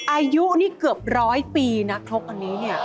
อายุนี่เกือบร้อยปีนะครกอันนี้เนี่ย